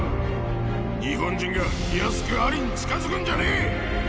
日本人が気やすくアリに近づくんじゃねぇ！